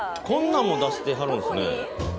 なんも出してはるんですね